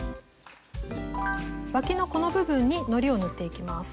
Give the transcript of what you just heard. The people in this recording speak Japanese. わきのこの部分にのりを塗っていきます。